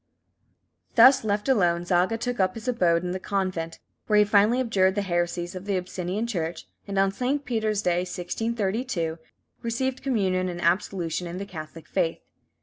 Thus left alone, Zaga took up his abode in the convent, where he finally abjured the heresies of the Abyssinian Church, and, on St. Peter's Day, 1632, received communion and absolution in the Catholic faith.